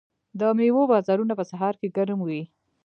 د میوو بازارونه په سهار کې ګرم وي.